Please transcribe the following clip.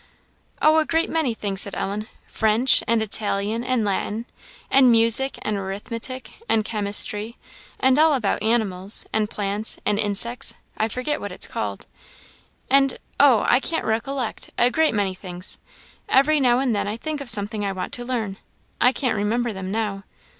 "Oh, a great many things," said Ellen; "French, and Italian, and Latin, and music, and arithmetic, and chemistry, and all about animals, and plants; and insects I forget what it's called and oh, I can't recollect; a great many things. Every now and then I think of something I want to learn; I can't remember them now.